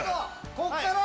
こっから！